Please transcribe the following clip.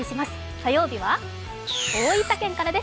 火曜日は大分県からです。